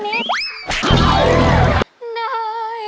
แม่ก็หมดแล้วจุดโภดวันนี้